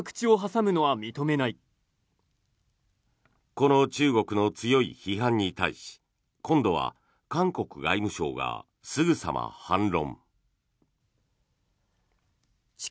この中国の強い批判に対し今度は韓国外務省がすぐさま反論。